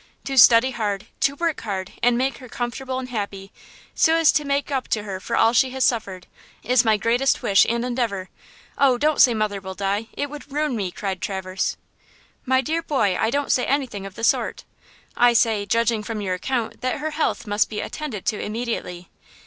To study hard, to work hard and make her comfortable and happy, so as to make up to her for all she has suffered, is my greatest wish and endeavor! Oh, don't say mother will die! it would ruin me!" cried Traverse. "My dear boy, I don't say anything of the sort! I say, judging from your account, that her health must be attended to immediately.